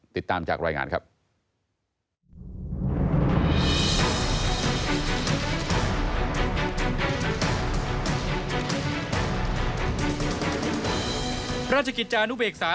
ติดตามจากรายงานครับ